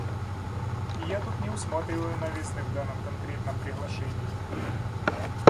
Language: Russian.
И я тут не усматриваю новизны в данном конкретном приглашении.